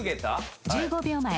１５秒前。